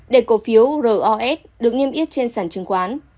để cổ phiếu ros được nghiêm yếp trên sản chứng khoán